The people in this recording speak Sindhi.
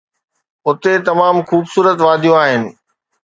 اتي تمام خوبصورت واديون آهن